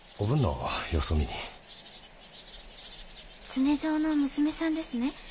常蔵の娘さんですね？